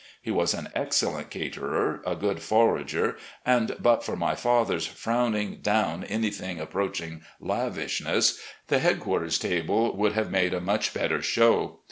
He was an excellent caterer, a good forager, and, but for my father's frowning down an)d;hing approach ing lavishness, the headquarters' table would have made a much better show.